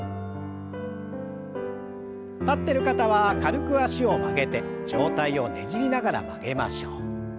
立ってる方は軽く脚を曲げて上体をねじりながら曲げましょう。